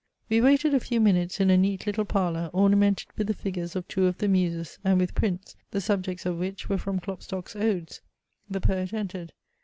We waited a few minutes in a neat little parlour, ornamented with the figures of two of the Muses and with prints, the subjects of which were from Klopstock's odes. The poet entered.